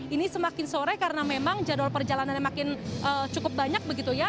ini semakin sore karena memang jadwal perjalanannya makin cukup banyak begitu ya